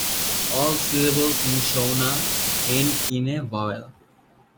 All syllables in Shona end in a vowel.